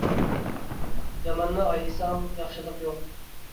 ياماننى ئايىساڭ ياخشىلىق يوق.